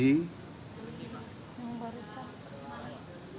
apa ngomong ketika di daerah ada kondisi yang terjadi